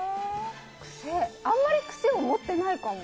あんまり癖を持ってないかも。